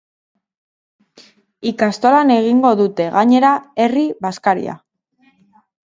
Ikastolan egingo dute, gainera, herri bazkaria.